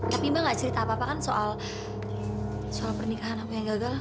tapi mbak gak cerita apa apa kan soal pernikahan apa yang gagal